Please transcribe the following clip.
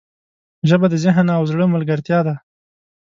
ژبه د ذهن او زړه ملګرتیا ده